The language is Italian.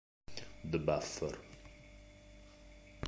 The Buffer